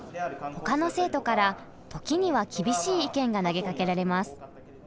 他の生徒から時には厳しい意見が投げかけられます。